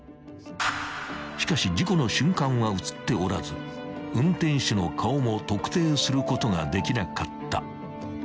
［しかし事故の瞬間は写っておらず運転手の顔も特定することができなかった］